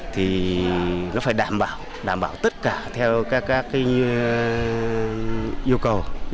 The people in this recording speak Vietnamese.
thì nó phải đảm bảo đảm tất cả theo các yêu cầu